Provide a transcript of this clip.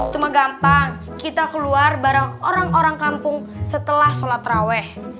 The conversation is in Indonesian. cuma gampang kita keluar barang orang orang kampung setelah sholat raweh